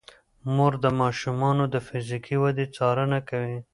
مور د ماشومانو د فزیکي ودې څارنه کوي.